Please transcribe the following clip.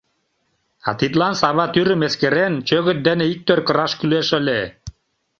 А тидлан сава тӱрым эскерен чӧгыт дене иктӧр кыраш кӱлеш ыле.